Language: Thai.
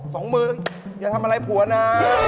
สองมึงอย่าทำอะไรผัวนะ